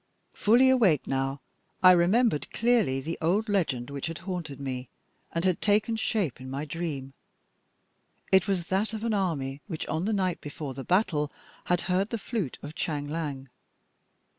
Fully awake now, I remembered clearly the old legend which had haunted me, and had taken shape in my dream. It was that of an army which on the night before the battle had heard the flute of Chang Liang.